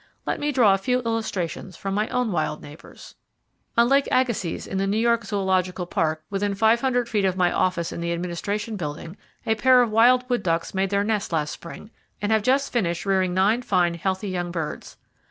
Let me draw a few illustrations from my own wild neighbors. On Lake Agassiz, in the N.Y. Zoological Park, within 500 feet of my office in the Administration Building, a pair of wild wood ducks made [Page 316] their nest last spring, and have just finished rearing nine fine, healthy young birds.